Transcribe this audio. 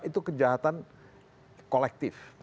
itu kejahatan kolektif